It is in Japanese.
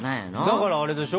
だからあれでしょ。